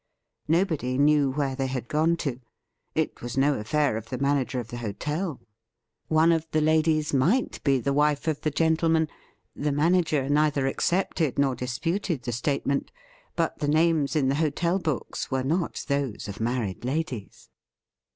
Nobody knew where they had gone to. It was no affair of the manager of the hotel. One of the ladies might be the wife of the gentle 294 THE RIDDLE RING man. The manager neither accepted nor disputed the statement; but the names in the hotel books were not those of married ladies.